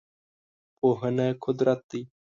پوهنه قدرت دی.